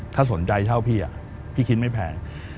ถ้าสนใจเท่าพี่พี่คิดไม่แพง